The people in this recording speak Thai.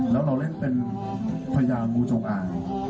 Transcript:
แล้วเราเล่นเป็นพระยามมูจงอาย